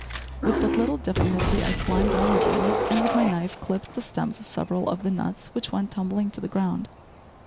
With but little difficulty I climbed one of them, and with my knife clipped the stems of several of the nuts, which went tumbling to the ground.